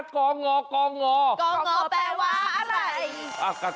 กองงอกองงอกองอแปลว่าอะไร